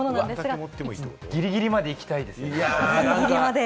ギリギリまで行きたいです！